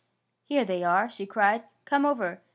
^' Here they are! '' she cried. " Come over.